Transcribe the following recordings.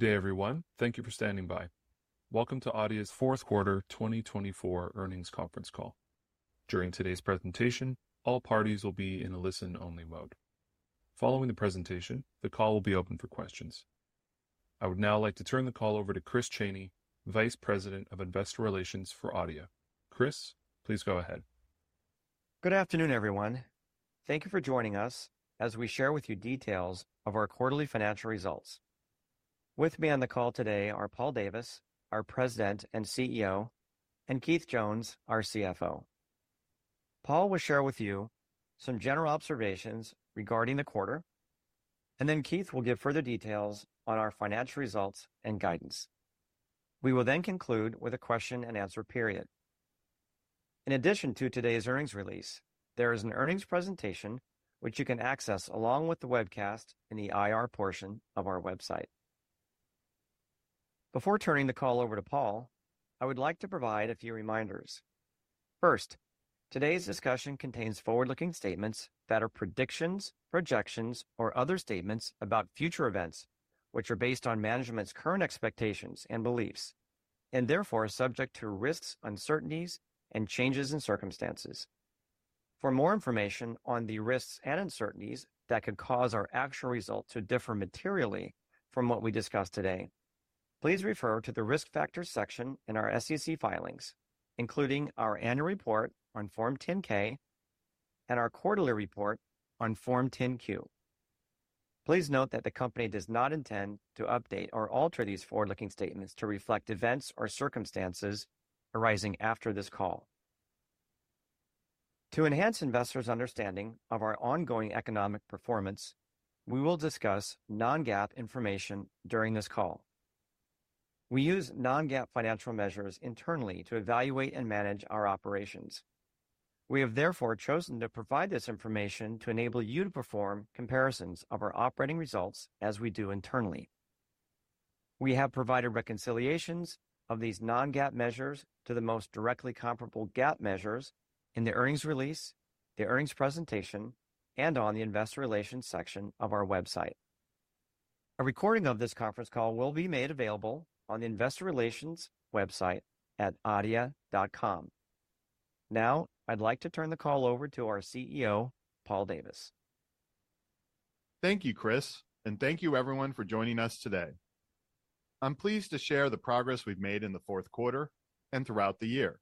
Good day, everyone. Thank you for standing by. Welcome to Adeia's fourth quarter 2024 earnings conference call. During today's presentation, all parties will be in a listen-only mode. Following the presentation, the call will be open for questions. I would now like to turn the call over to Chris Chaney, Vice President of Investor Relations for Adeia. Chris, please go ahead. Good afternoon, everyone. Thank you for joining us as we share with you details of our quarterly financial results. With me on the call today are Paul Davis, our President and CEO, and Keith Jones, our CFO. Paul will share with you some general observations regarding the quarter, and then Keith will give further details on our financial results and guidance. We will then conclude with a question-and-answer period. In addition to today's earnings release, there is an earnings presentation which you can access along with the webcast in the IR portion of our website. Before turning the call over to Paul, I would like to provide a few reminders. First, today's discussion contains forward-looking statements that are predictions, projections, or other statements about future events which are based on management's current expectations and beliefs, and therefore subject to risks, uncertainties, and changes in circumstances. For more information on the risks and uncertainties that could cause our actual results to differ materially from what we discuss today, please refer to the risk factors section in our SEC filings, including our annual report on Form 10-K and our quarterly report on Form 10-Q. Please note that the company does not intend to update or alter these forward-looking statements to reflect events or circumstances arising after this call. To enhance investors' understanding of our ongoing economic performance, we will discuss non-GAAP information during this call. We use non-GAAP financial measures internally to evaluate and manage our operations. We have therefore chosen to provide this information to enable you to perform comparisons of our operating results as we do internally. We have provided reconciliations of these non-GAAP measures to the most directly comparable GAAP measures in the earnings release, the earnings presentation, and on the investor relations section of our website. A recording of this conference call will be made available on the investor relations website at adeia.com. Now, I'd like to turn the call over to our CEO, Paul Davis. Thank you, Chris, and thank you, everyone, for joining us today. I'm pleased to share the progress we've made in the fourth quarter and throughout the year,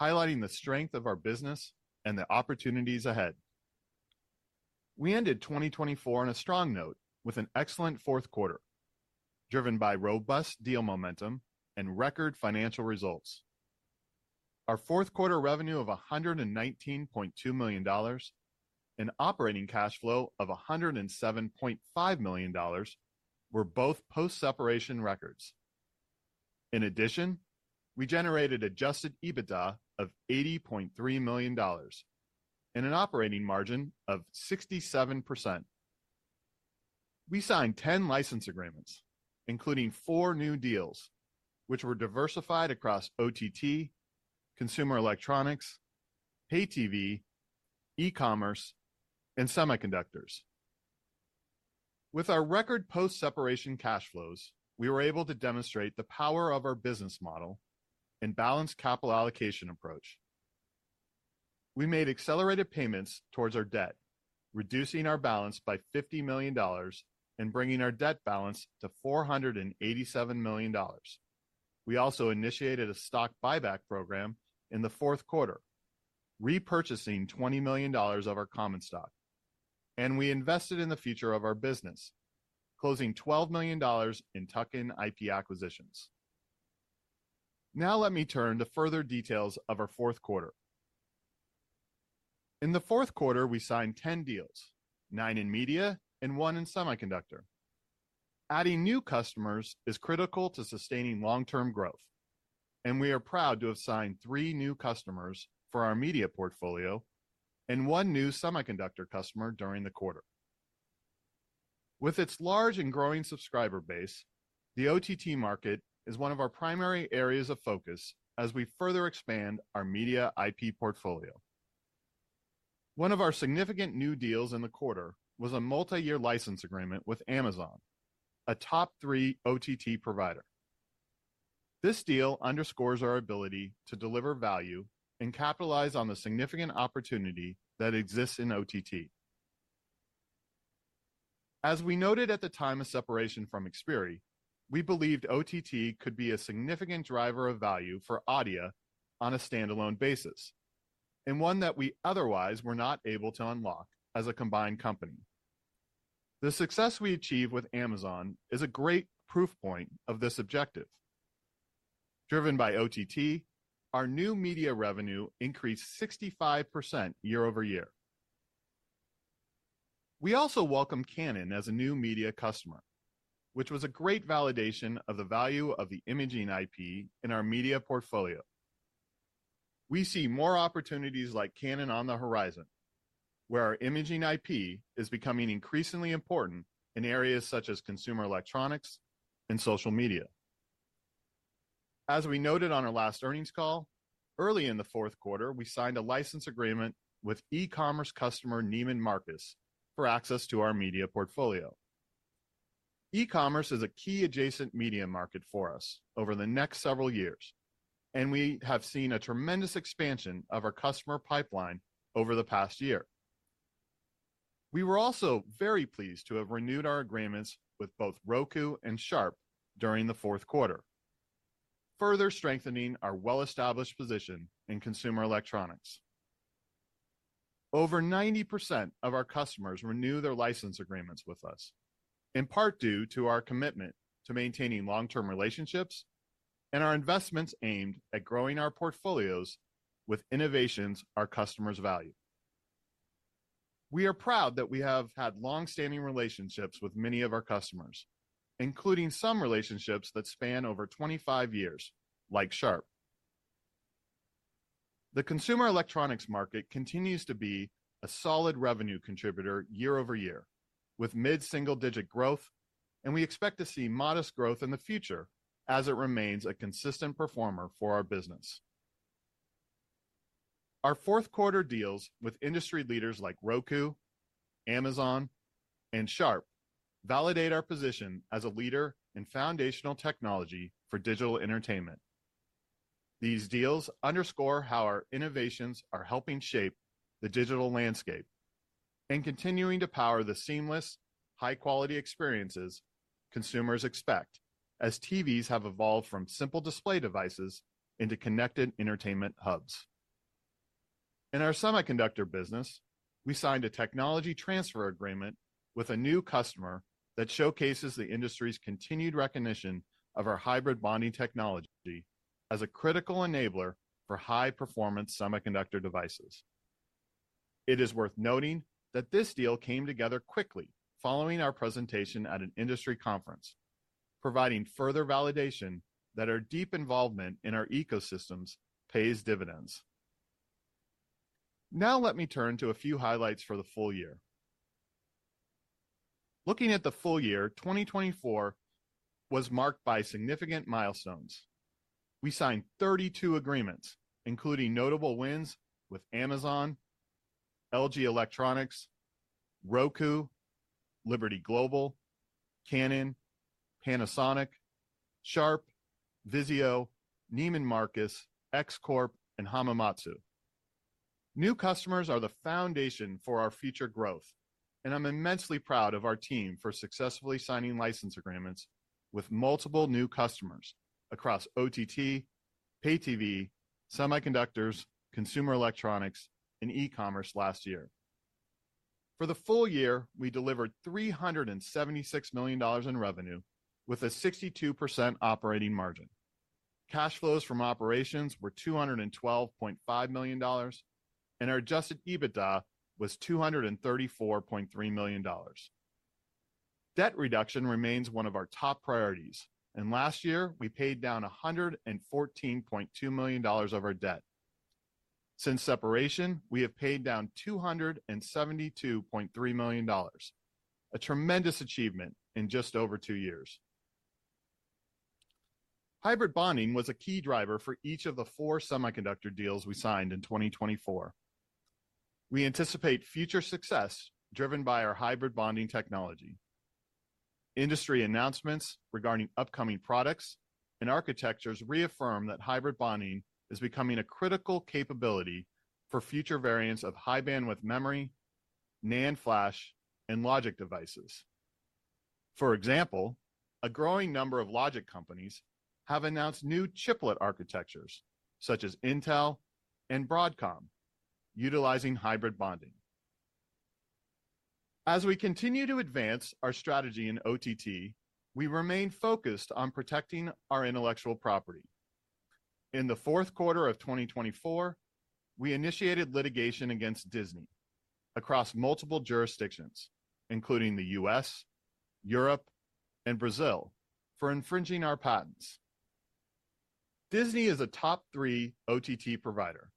highlighting the strength of our business and the opportunities ahead. We ended 2024 on a strong note with an excellent fourth quarter, driven by robust deal momentum and record financial results. Our fourth quarter revenue of $119.2 million and operating cash flow of $107.5 million were both post-separation records. In addition, we generated adjusted EBITDA of $80.3 million and an operating margin of 67%. We signed 10 license agreements, including four new deals, which were diversified across OTT, consumer electronics, Pay-TV, e-commerce, and semiconductors. With our record post-separation cash flows, we were able to demonstrate the power of our business model and balanced capital allocation approach. We made accelerated payments towards our debt, reducing our balance by $50 million and bringing our debt balance to $487 million. We also initiated a stock buyback program in the fourth quarter, repurchasing $20 million of our common stock, and we invested in the future of our business, closing $12 million in tuck-in IP acquisitions. Now, let me turn to further details of our fourth quarter. In the fourth quarter, we signed 10 deals, nine in media and one in semiconductor. Adding new customers is critical to sustaining long-term growth, and we are proud to have signed three new customers for our media portfolio and one new semiconductor customer during the quarter. With its large and growing subscriber base, the OTT market is one of our primary areas of focus as we further expand our media IP portfolio. One of our significant new deals in the quarter was a multi-year license agreement with Amazon, a top three OTT provider. This deal underscores our ability to deliver value and capitalize on the significant opportunity that exists in OTT. As we noted at the time of separation from Xperi, we believed OTT could be a significant driver of value for Adeia on a standalone basis, and one that we otherwise were not able to unlock as a combined company. The success we achieved with Amazon is a great proof point of this objective. Driven by OTT, our new media revenue increased 65% year-over-year. We also welcome Canon as a new media customer, which was a great validation of the value of the imaging IP in our media portfolio. We see more opportunities like Canon on the horizon, where our imaging IP is becoming increasingly important in areas such as consumer electronics and social media. As we noted on our last earnings call, early in the fourth quarter, we signed a license agreement with e-commerce customer Neiman Marcus for access to our media portfolio. E-commerce is a key adjacent media market for us over the next several years, and we have seen a tremendous expansion of our customer pipeline over the past year. We were also very pleased to have renewed our agreements with both Roku and Sharp during the fourth quarter, further strengthening our well-established position in consumer electronics. Over 90% of our customers renew their license agreements with us, in part due to our commitment to maintaining long-term relationships and our investments aimed at growing our portfolios with innovations our customers value. We are proud that we have had long-standing relationships with many of our customers, including some relationships that span over 25 years, like Sharp. The consumer electronics market continues to be a solid revenue contributor year-over-year, with mid-single-digit growth, and we expect to see modest growth in the future as it remains a consistent performer for our business. Our fourth quarter deals with industry leaders like Roku, Amazon, and Sharp validate our position as a leader in foundational technology for digital entertainment. These deals underscore how our innovations are helping shape the digital landscape and continuing to power the seamless, high-quality experiences consumers expect as TVs have evolved from simple display devices into connected entertainment hubs. In our semiconductor business, we signed a technology transfer agreement with a new customer that showcases the industry's continued recognition of our hybrid bonding technology as a critical enabler for high-performance semiconductor devices. It is worth noting that this deal came together quickly following our presentation at an industry conference, providing further validation that our deep involvement in our ecosystems pays dividends. Now, let me turn to a few highlights for the full year. Looking at the full year, 2024 was marked by significant milestones. We signed 32 agreements, including notable wins with Amazon, LG Electronics, Roku, Liberty Global, Canon, Panasonic, Sharp, Vizio, Neiman Marcus, X Corp., and Hamamatsu. New customers are the foundation for our future growth, and I'm immensely proud of our team for successfully signing license agreements with multiple new customers across OTT, Pay-TV, semiconductors, consumer electronics, and e-commerce last year. For the full year, we delivered $376 million in revenue with a 62% operating margin. Cash flows from operations were $212.5 million, and our adjusted EBITDA was $234.3 million. Debt reduction remains one of our top priorities, and last year, we paid down $114.2 million of our debt. Since separation, we have paid down $272.3 million, a tremendous achievement in just over two years. Hybrid bonding was a key driver for each of the four semiconductor deals we signed in 2024. We anticipate future success driven by our hybrid bonding technology. Industry announcements regarding upcoming products and architectures reaffirm that hybrid bonding is becoming a critical capability for future variants of high-bandwidth memory, NAND flash, and logic devices. For example, a growing number of logic companies have announced new chiplet architectures, such as Intel and Broadcom, utilizing hybrid bonding. As we continue to advance our strategy in OTT, we remain focused on protecting our intellectual property. In the fourth quarter of 2024, we initiated litigation against Disney across multiple jurisdictions, including the U.S., Europe, and Brazil, for infringing our patents. Disney is a top three OTT provider,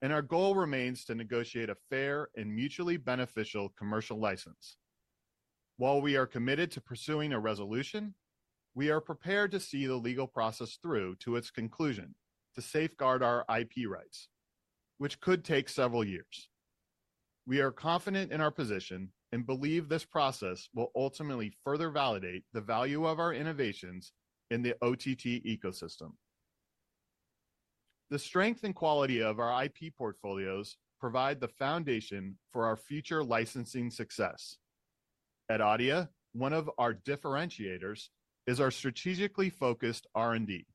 and our goal remains to negotiate a fair and mutually beneficial commercial license. While we are committed to pursuing a resolution, we are prepared to see the legal process through to its conclusion to safeguard our IP rights, which could take several years. We are confident in our position and believe this process will ultimately further validate the value of our innovations in the OTT ecosystem. The strength and quality of our IP portfolios provide the foundation for our future licensing success. At Adeia, one of our differentiators is our strategically focused R&D.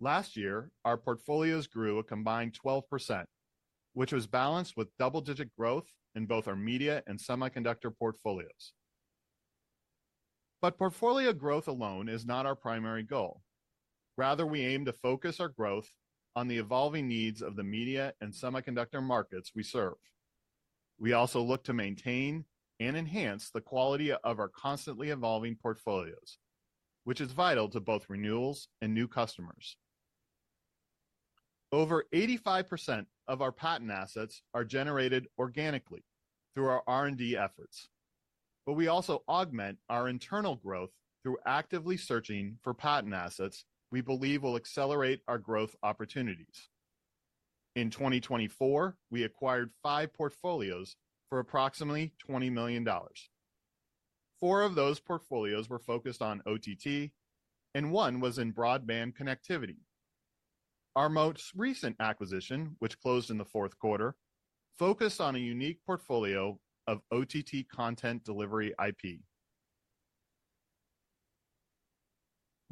Last year, our portfolios grew a combined 12%, which was balanced with double-digit growth in both our media and semiconductor portfolios. But portfolio growth alone is not our primary goal. Rather, we aim to focus our growth on the evolving needs of the media and semiconductor markets we serve. We also look to maintain and enhance the quality of our constantly evolving portfolios, which is vital to both renewals and new customers. Over 85% of our patent assets are generated organically through our R&D efforts, but we also augment our internal growth through actively searching for patent assets we believe will accelerate our growth opportunities. In 2024, we acquired five portfolios for approximately $20 million. Four of those portfolios were focused on OTT, and one was in broadband connectivity. Our most recent acquisition, which closed in the fourth quarter, focused on a unique portfolio of OTT content delivery IP.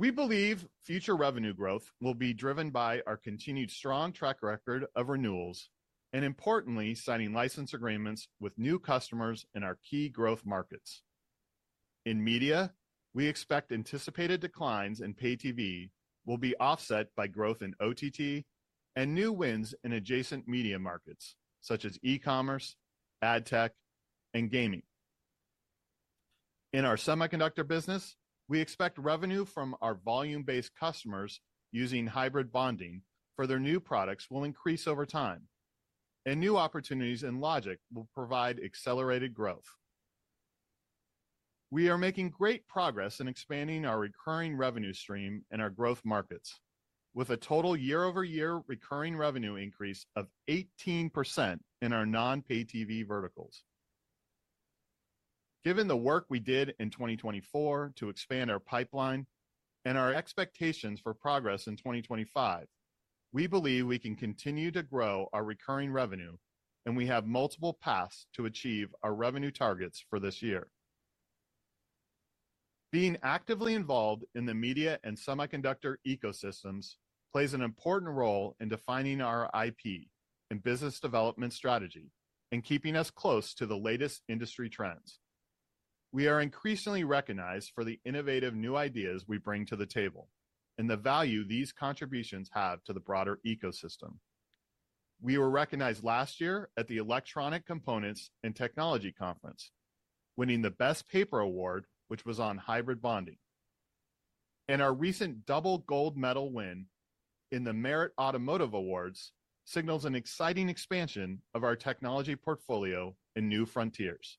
We believe future revenue growth will be driven by our continued strong track record of renewals and, importantly, signing license agreements with new customers in our key growth markets. In media, we expect anticipated declines in Pay-TV will be offset by growth in OTT and new wins in adjacent media markets, such as e-commerce, ad tech, and gaming. In our semiconductor business, we expect revenue from our volume-based customers using hybrid bonding for their new products will increase over time, and new opportunities in logic will provide accelerated growth. We are making great progress in expanding our recurring revenue stream in our growth markets, with a total year-over-year recurring revenue increase of 18% in our non-Pay-TV verticals. Given the work we did in 2024 to expand our pipeline and our expectations for progress in 2025, we believe we can continue to grow our recurring revenue, and we have multiple paths to achieve our revenue targets for this year. Being actively involved in the media and semiconductor ecosystems plays an important role in defining our IP and business development strategy and keeping us close to the latest industry trends. We are increasingly recognized for the innovative new ideas we bring to the table and the value these contributions have to the broader ecosystem. We were recognized last year at the Electronic Components and Technology Conference, winning the Best Paper Award, which was on hybrid bonding, and our recent double gold medal win in the Merit Automotive Awards signals an exciting expansion of our technology portfolio and new frontiers.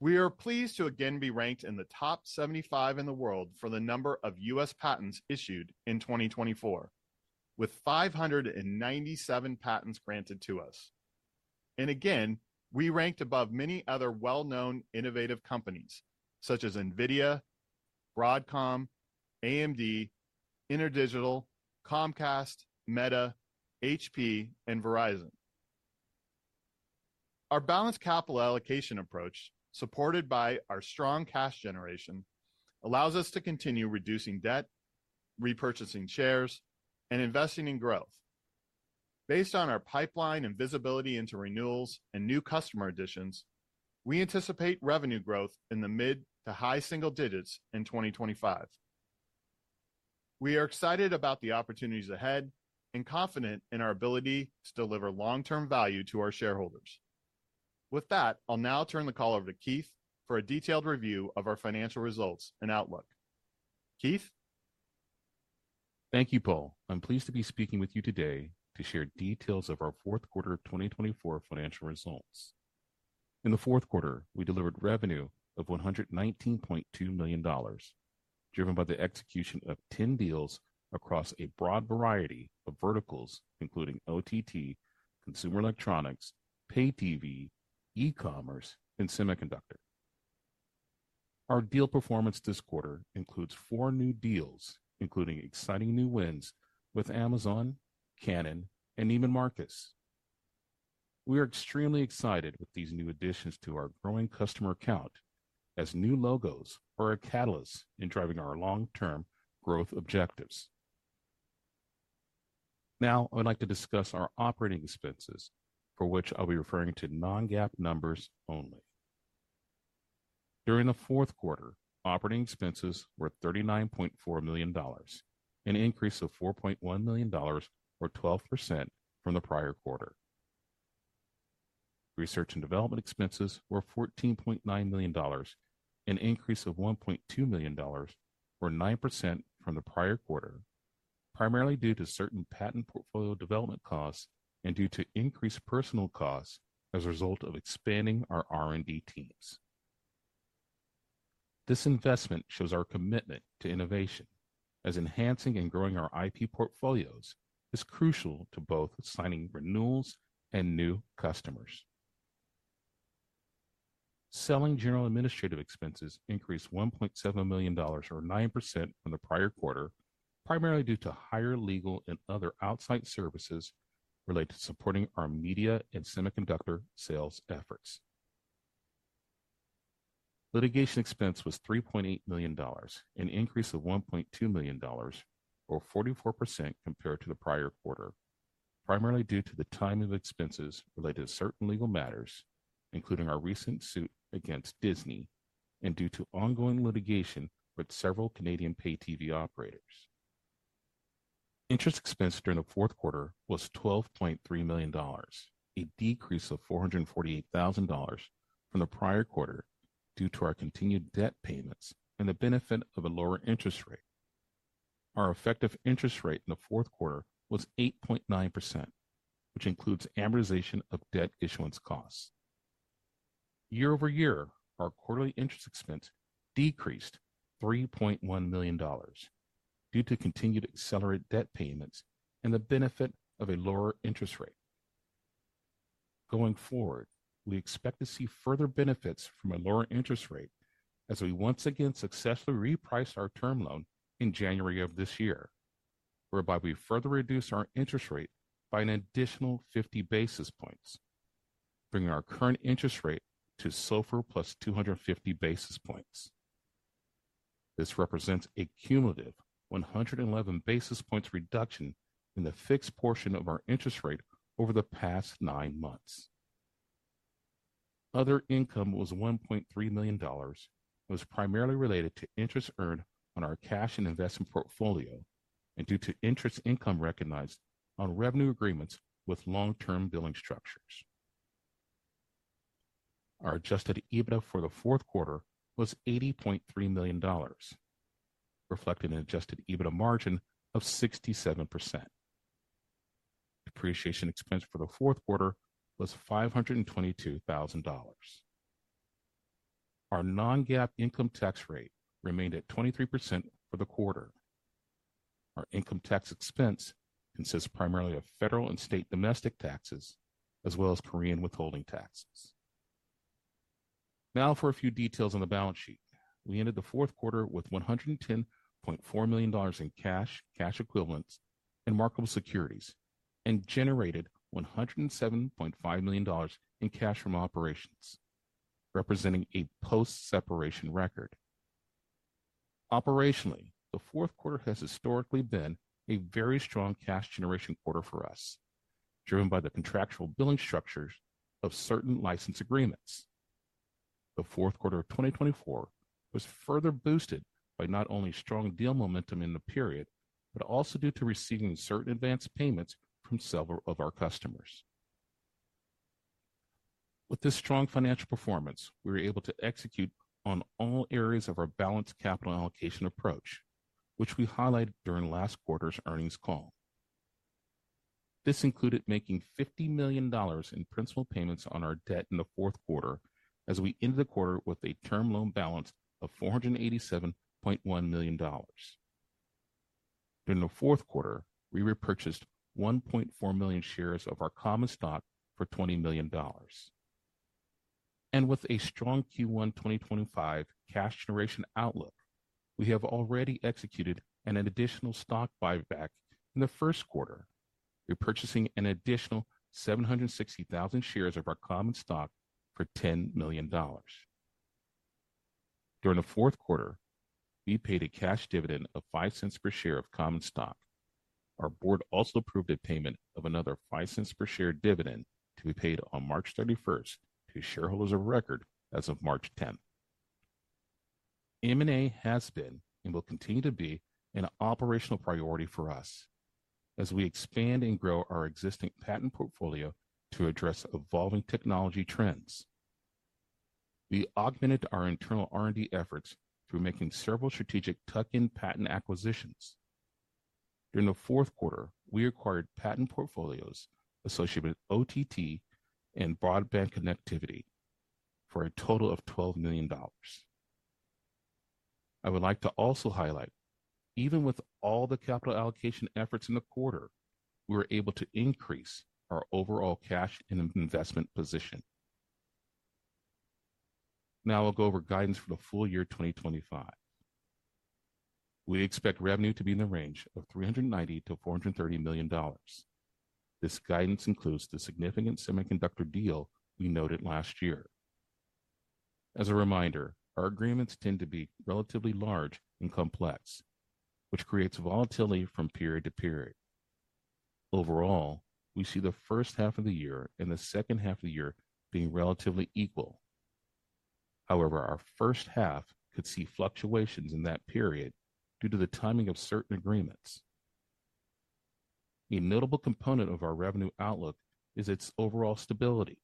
We are pleased to again be ranked in the top 75 in the world for the number of U.S. patents issued in 2024, with 597 patents granted to us, and again, we ranked above many other well-known innovative companies, such as NVIDIA, Broadcom, AMD, InterDigital, Comcast, Meta, HP, and Verizon. Our balanced capital allocation approach, supported by our strong cash generation, allows us to continue reducing debt, repurchasing shares, and investing in growth. Based on our pipeline and visibility into renewals and new customer additions, we anticipate revenue growth in the mid to high single digits in 2025. We are excited about the opportunities ahead and confident in our ability to deliver long-term value to our shareholders. With that, I'll now turn the call over to Keith for a detailed review of our financial results and outlook. Keith? Thank you, Paul. I'm pleased to be speaking with you today to share details of our fourth quarter 2024 financial results. In the fourth quarter, we delivered revenue of $119.2 million, driven by the execution of 10 deals across a broad variety of verticals, including OTT, consumer electronics, Pay-TV, e-commerce, and semiconductor. Our deal performance this quarter includes four new deals, including exciting new wins with Amazon, Canon, and Neiman Marcus. We are extremely excited with these new additions to our growing customer count, as new logos are a catalyst in driving our long-term growth objectives. Now, I would like to discuss our operating expenses, for which I'll be referring to non-GAAP numbers only. During the fourth quarter, operating expenses were $39.4 million, an increase of $4.1 million, or 12% from the prior quarter. Research and development expenses were $14.9 million, an increase of $1.2 million, or 9% from the prior quarter, primarily due to certain patent portfolio development costs and due to increased personnel costs as a result of expanding our R&D teams. This investment shows our commitment to innovation, as enhancing and growing our IP portfolios is crucial to both signing renewals and new customers. Selling, general, and administrative expenses increased $1.7 million, or 9% from the prior quarter, primarily due to higher legal and other outside services related to supporting our media and semiconductor sales efforts. Litigation expense was $3.8 million, an increase of $1.2 million, or 44% compared to the prior quarter, primarily due to the timing of expenses related to certain legal matters, including our recent suit against Disney and due to ongoing litigation with several Canadian Pay-TV operators. Interest expense during the fourth quarter was $12.3 million, a decrease of $448,000 from the prior quarter due to our continued debt payments and the benefit of a lower interest rate. Our effective interest rate in the fourth quarter was 8.9%, which includes amortization of debt issuance costs. Year-over-year, our quarterly interest expense decreased $3.1 million due to continued accelerated debt payments and the benefit of a lower interest rate. Going forward, we expect to see further benefits from a lower interest rate as we once again successfully repriced our term loan in January of this year, whereby we further reduced our interest rate by an additional 50 basis points, bringing our current interest rate to SOFR plus 250 basis points. This represents a cumulative 111 basis points reduction in the fixed portion of our interest rate over the past nine months. Other income was $1.3 million, and was primarily related to interest earned on our cash and investment portfolio and due to interest income recognized on revenue agreements with long-term billing structures. Our adjusted EBITDA for the fourth quarter was $80.3 million, reflecting an adjusted EBITDA margin of 67%. Depreciation expense for the fourth quarter was $522,000. Our non-GAAP income tax rate remained at 23% for the quarter. Our income tax expense consists primarily of federal and state domestic taxes, as well as Korean withholding taxes. Now for a few details on the balance sheet. We ended the fourth quarter with $110.4 million in cash, cash equivalents, and marketable securities, and generated $107.5 million in cash from operations, representing a post-separation record. Operationally, the fourth quarter has historically been a very strong cash generation quarter for us, driven by the contractual billing structures of certain license agreements. The fourth quarter of 2024 was further boosted by not only strong deal momentum in the period, but also due to receiving certain advance payments from several of our customers. With this strong financial performance, we were able to execute on all areas of our balanced capital allocation approach, which we highlighted during last quarter's earnings call. This included making $50 million in principal payments on our debt in the fourth quarter, as we ended the quarter with a term loan balance of $487.1 million. During the fourth quarter, we repurchased 1.4 million shares of our common stock for $20 million, and with a strong Q1 2025 cash generation outlook, we have already executed an additional stock buyback in the first quarter, repurchasing an additional 760,000 shares of our common stock for $10 million. During the fourth quarter, we paid a cash dividend of $0.05 per share of common stock. Our board also approved a payment of another $0.05 per share dividend to be paid on March 31st to shareholders of record as of March 10th. M&A has been and will continue to be an operational priority for us, as we expand and grow our existing patent portfolio to address evolving technology trends. We augmented our internal R&D efforts through making several strategic tuck-in patent acquisitions. During the fourth quarter, we acquired patent portfolios associated with OTT and broadband connectivity for a total of $12 million. I would like to also highlight, even with all the capital allocation efforts in the quarter, we were able to increase our overall cash and investment position. Now I'll go over guidance for the full year 2025. We expect revenue to be in the range of $390 million-$430 million. This guidance includes the significant semiconductor deal we noted last year. As a reminder, our agreements tend to be relatively large and complex, which creates volatility from period to period. Overall, we see the first half of the year and the second half of the year being relatively equal. However, our first half could see fluctuations in that period due to the timing of certain agreements. A notable component of our revenue outlook is its overall stability.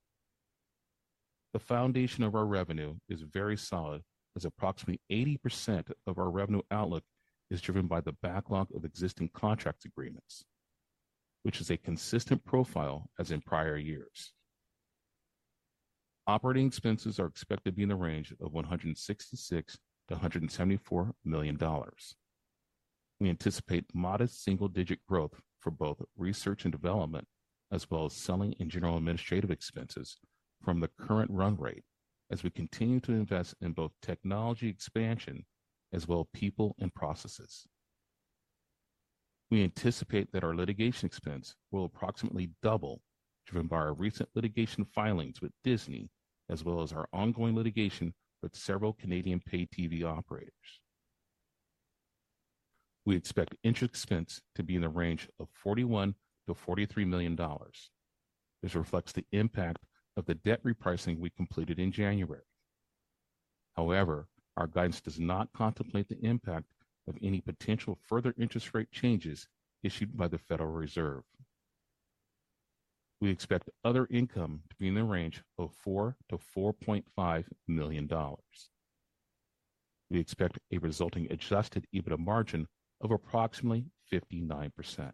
The foundation of our revenue is very solid, as approximately 80% of our revenue outlook is driven by the backlog of existing contract agreements, which is a consistent profile as in prior years. Operating expenses are expected to be in the range of $166 million-$174 million. We anticipate modest single-digit growth for both research and development, as well as selling and general administrative expenses from the current run rate, as we continue to invest in both technology expansion as well as people and processes. We anticipate that our litigation expense will approximately double, driven by our recent litigation filings with Disney, as well as our ongoing litigation with several Canadian Pay-TV operators. We expect interest expense to be in the range of $41 million-$43 million, which reflects the impact of the debt repricing we completed in January. However, our guidance does not contemplate the impact of any potential further interest rate changes issued by the Federal Reserve. We expect other income to be in the range of $4 million-$4.5 million. We expect a resulting adjusted EBITDA margin of approximately 59%.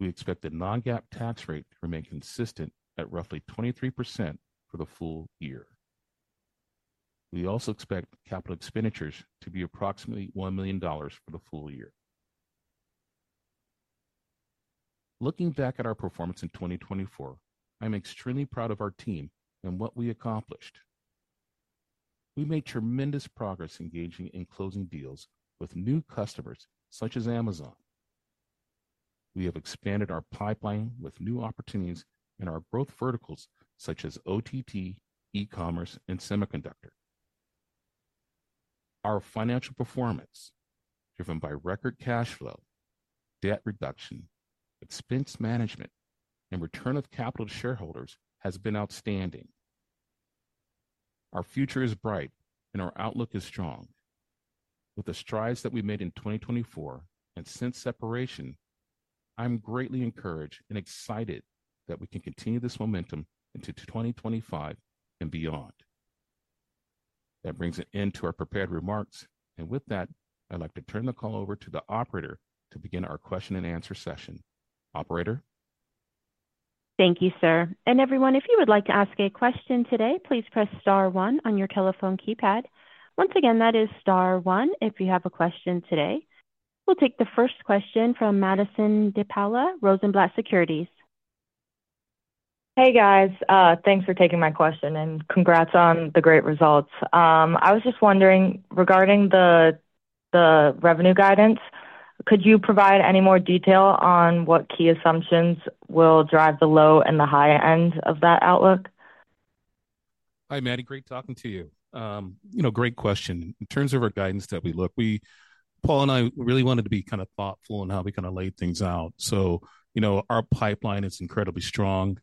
We expect the non-GAAP tax rate to remain consistent at roughly 23% for the full year. We also expect capital expenditures to be approximately $1 million for the full year. Looking back at our performance in 2024, I'm extremely proud of our team and what we accomplished. We made tremendous progress engaging in closing deals with new customers such as Amazon. We have expanded our pipeline with new opportunities and our growth verticals such as OTT, e-commerce, and semiconductor. Our financial performance, driven by record cash flow, debt reduction, expense management, and return of capital to shareholders, has been outstanding. Our future is bright, and our outlook is strong. With the strides that we made in 2024 and since separation, I'm greatly encouraged and excited that we can continue this momentum into 2025 and beyond. That brings an end to our prepared remarks, and with that, I'd like to turn the call over to the operator to begin our question and answer session. Operator? Thank you, sir, and everyone, if you would like to ask a question today, please press star one on your telephone keypad. Once again, that is star one if you have a question today. We'll take the first question from Madison De Paola, Rosenblatt Securities. Hey, guys. Thanks for taking my question, and congrats on the great results. I was just wondering, regarding the revenue guidance, could you provide any more detail on what key assumptions will drive the low and the high end of that outlook? Hi, Maddie. Great talking to you. You know, great question. In terms of our guidance that we look, we, Paul and I, really wanted to be kind of thoughtful in how we kind of laid things out. So, you know, our pipeline is incredibly strong.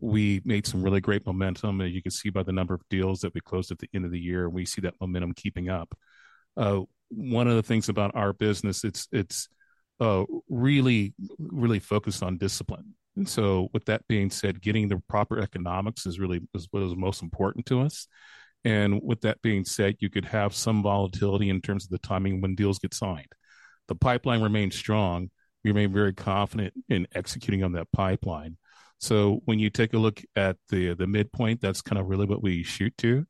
We made some really great momentum, and you can see by the number of deals that we closed at the end of the year, and we see that momentum keeping up. One of the things about our business, it's really, really focused on discipline. And so, with that being said, getting the proper economics is really what is most important to us. And with that being said, you could have some volatility in terms of the timing when deals get signed. The pipeline remains strong. We remain very confident in executing on that pipeline. So, when you take a look at the midpoint, that's kind of really what we shoot to.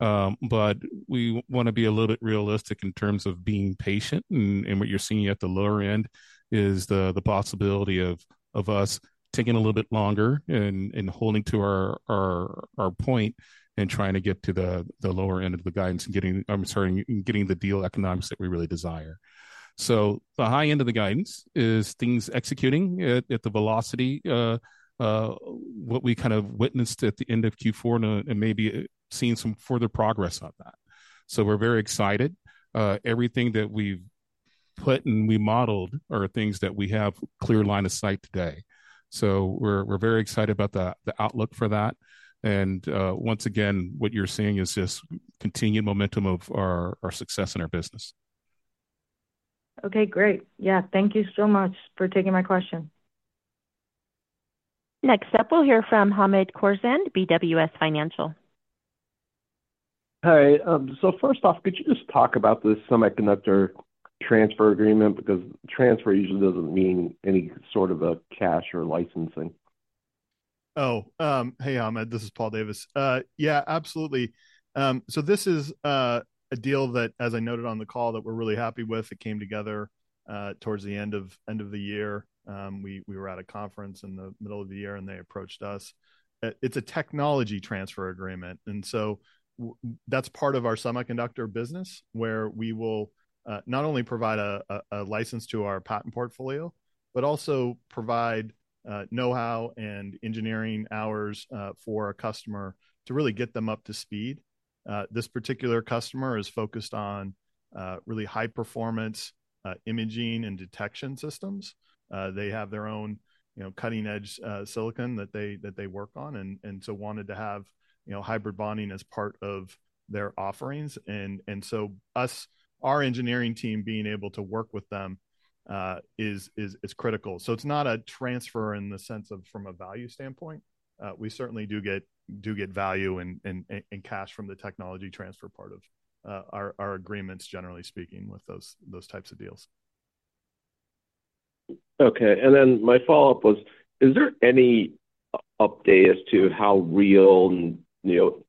But we want to be a little bit realistic in terms of being patient. And what you're seeing at the lower end is the possibility of us taking a little bit longer and holding to our point and trying to get to the lower end of the guidance and getting the deal economics that we really desire. So, the high end of the guidance is things executing at the velocity of what we kind of witnessed at the end of Q4 and maybe seeing some further progress on that. So, we're very excited. Everything that we've put and we modeled are things that we have a clear line of sight today. So, we're very excited about the outlook for that. And once again, what you're seeing is just continued momentum of our success in our business. Okay, great. Yeah, thank you so much for taking my question. Next up, we'll hear from Hamed Khorsand, BWS Financial. Hi. So, first off, could you just talk about the semiconductor transfer agreement? Because transfer usually doesn't mean any sort of cash or licensing. Oh, hey, Hamed. This is Paul Davis. Yeah, absolutely. This is a deal that, as I noted on the call, that we're really happy with. It came together towards the end of the year. We were at a conference in the middle of the year, and they approached us. It's a technology transfer agreement. That's part of our semiconductor business, where we will not only provide a license to our patent portfolio, but also provide know-how and engineering hours for our customer to really get them up to speed. This particular customer is focused on really high-performance imaging and detection systems. They have their own cutting-edge silicon that they work on, and so wanted to have hybrid bonding as part of their offerings. Our engineering team being able to work with them is critical. It's not a transfer in the sense of from a value standpoint. We certainly do get value and cash from the technology transfer part of our agreements, generally speaking, with those types of deals. Okay. And then my follow-up was, is there any update as to how real and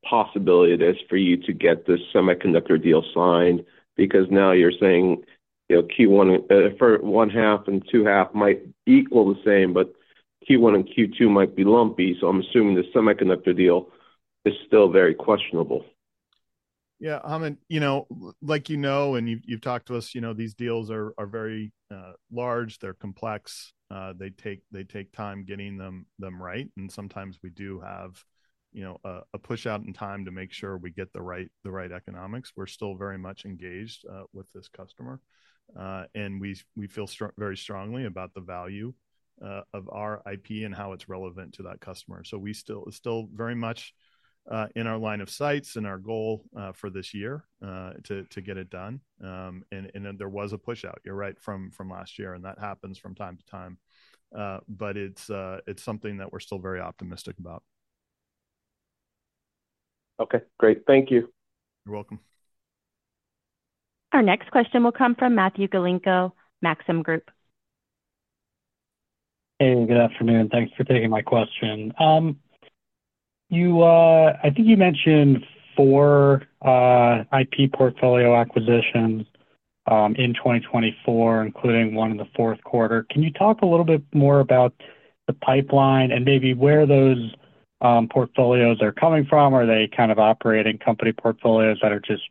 possible it is for you to get this semiconductor deal signed? Because now you're saying Q1, one-half and two-half might equal the same, but Q1 and Q2 might be lumpy. I'm assuming the semiconductor deal is still very questionable. Yeah, Hamed, you know, like you know and you've talked to us, you know, these deals are very large. They're complex. They take time getting them right. And sometimes we do have a push-out in time to make sure we get the right economics. We're still very much engaged with this customer. And we feel very strongly about the value of our IP and how it's relevant to that customer. So, we're still very much in our line of sight and our goal for this year to get it done. And there was a push-out, you're right, from last year, and that happens from time to time. But it's something that we're still very optimistic about. Okay, great. Thank you. You're welcome. Our next question will come from Matthew Galinko, Maxim Group. Hey, good afternoon. Thanks for taking my question. I think you mentioned four IP portfolio acquisitions in 2024, including one in the fourth quarter. Can you talk a little bit more about the pipeline and maybe where those portfolios are coming from? Are they kind of operating company portfolios that are just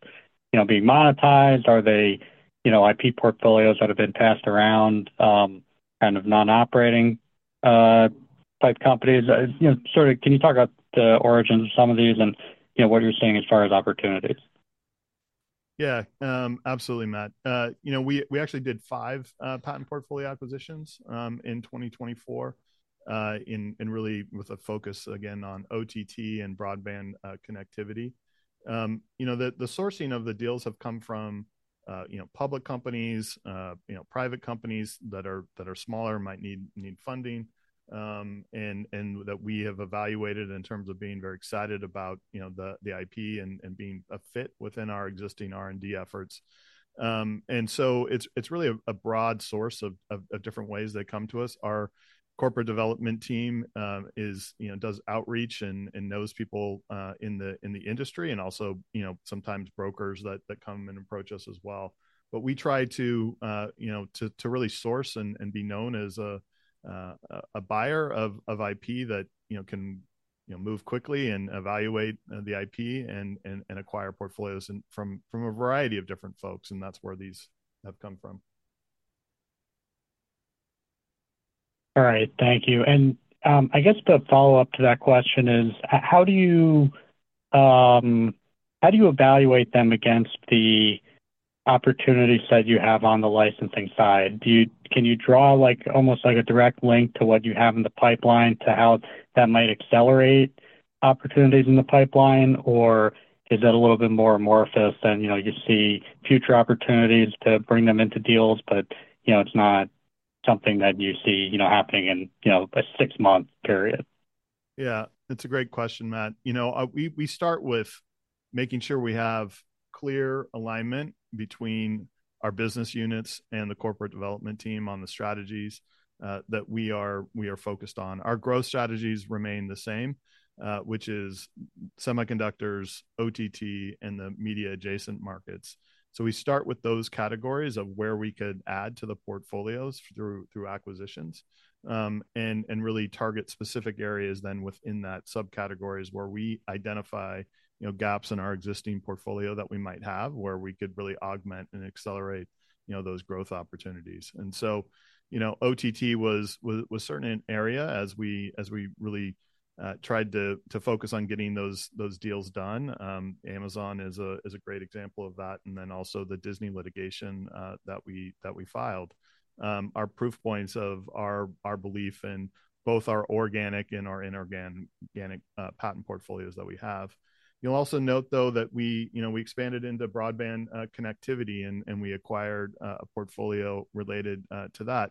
being monetized? Are they IP portfolios that have been passed around, kind of non-operating type companies? Sort of can you talk about the origins of some of these and what you're seeing as far as opportunities? Yeah, absolutely, Matt. We actually did five patent portfolio acquisitions in 2024, and really with a focus, again, on OTT and broadband connectivity. The sourcing of the deals has come from public companies, private companies that are smaller, might need funding, and that we have evaluated in terms of being very excited about the IP and being a fit within our existing R&D efforts. And so, it's really a broad source of different ways they come to us. Our corporate development team does outreach and knows people in the industry and also sometimes brokers that come and approach us as well. But we try to really source and be known as a buyer of IP that can move quickly and evaluate the IP and acquire portfolios from a variety of different folks. And that's where these have come from. All right, thank you. And I guess the follow-up to that question is, how do you evaluate them against the opportunities that you have on the licensing side? Can you draw almost like a direct link to what you have in the pipeline to how that might accelerate opportunities in the pipeline, or is that a little bit more amorphous than you see future opportunities to bring them into deals, but it's not something that you see happening in a six-month period? Yeah, that's a great question, Matt. We start with making sure we have clear alignment between our business units and the corporate development team on the strategies that we are focused on. Our growth strategies remain the same, which is semiconductors, OTT, and the media-adjacent markets, so we start with those categories of where we could add to the portfolios through acquisitions and really target specific areas then within that subcategories where we identify gaps in our existing portfolio that we might have where we could really augment and accelerate those growth opportunities, and so OTT was a certain area as we really tried to focus on getting those deals done. Amazon is a great example of that, and then also the Disney litigation that we filed, our proof points of our belief in both our organic and our inorganic patent portfolios that we have. You'll also note, though, that we expanded into broadband connectivity, and we acquired a portfolio related to that,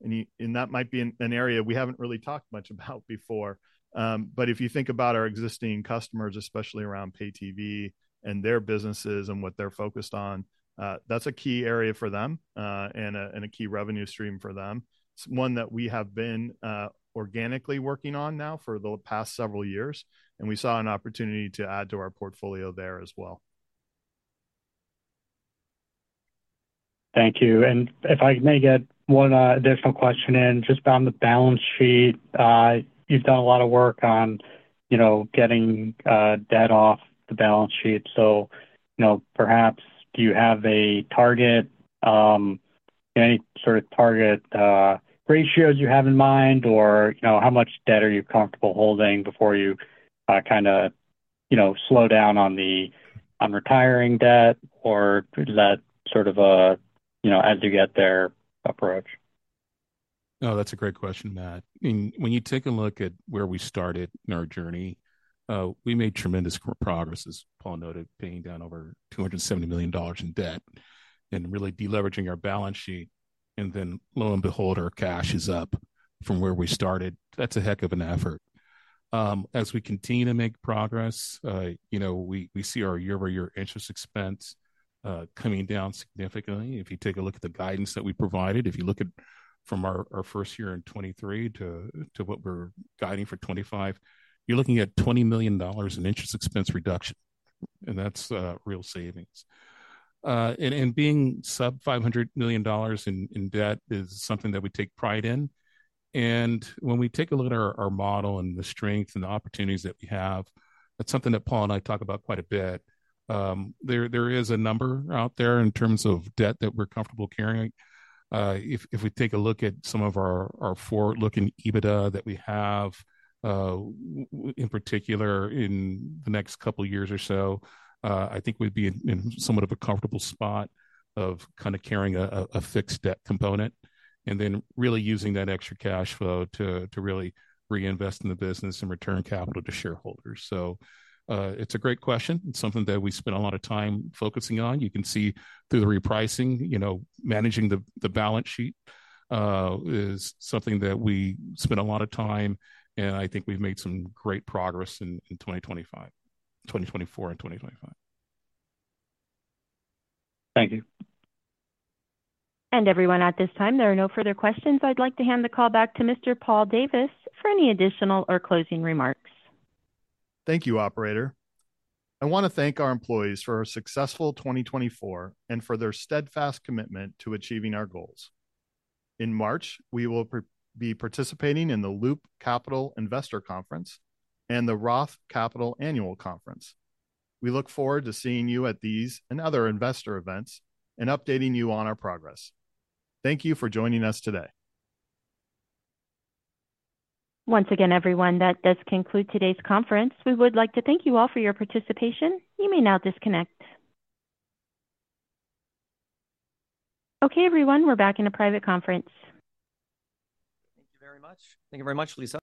and that might be an area we haven't really talked much about before, but if you think about our existing customers, especially around Pay-TV and their businesses and what they're focused on, that's a key area for them and a key revenue stream for them. It's one that we have been organically working on now for the past several years, and we saw an opportunity to add to our portfolio there as well. Thank you, and if I may get one additional question in, just on the balance sheet, you've done a lot of work on getting debt off the balance sheet. Perhaps do you have a target, any sort of target ratios you have in mind, or how much debt are you comfortable holding before you kind of slow down on retiring debt or let sort of a, as you get there approach? No, that's a great question, Matt. When you take a look at where we started in our journey, we made tremendous progress, as Paul noted, paying down over $270 million in debt and really deleveraging our balance sheet. And then, lo and behold, our cash is up from where we started. That's a heck of an effort. As we continue to make progress, we see our year-over-year interest expense coming down significantly. If you take a look at the guidance that we provided, if you look at from our first year in 2023 to what we're guiding for 2025, you're looking at $20 million in interest expense reduction. And that's real savings. And being sub-$500 million in debt is something that we take pride in. And when we take a look at our model and the strength and the opportunities that we have, that's something that Paul and I talk about quite a bit. There is a number out there in terms of debt that we're comfortable carrying. If we take a look at some of our forward-looking EBITDA that we have, in particular, in the next couple of years or so, I think we'd be in somewhat of a comfortable spot of kind of carrying a fixed debt component and then really using that extra cash flow to really reinvest in the business and return capital to shareholders. So, it's a great question. It's something that we spent a lot of time focusing on. You can see through the repricing, managing the balance sheet is something that we spent a lot of time, and I think we've made some great progress in 2024 and 2025. Thank you. And everyone, at this time, there are no further questions. I'd like to hand the call back to Mr. Paul Davis for any additional or closing remarks. Thank you, Operator. I want to thank our employees for our successful 2024 and for their steadfast commitment to achieving our goals. In March, we will be participating in the Loop Capital Investor Conference and the Roth Capital Annual Conference. We look forward to seeing you at these and other investor events and updating you on our progress. Thank you for joining us today. Once again, everyone, that does conclude today's conference. We would like to thank you all for your participation. You may now disconnect. Okay, everyone, we're back in a private conference. Thank you very much. Thank you very much, Lisa.